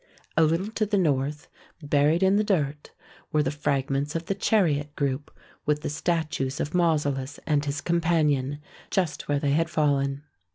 A little to the north, buried in the dirt, were the fragments of the chariot group with the statues of Mausolus and his companion, just where they had fallen.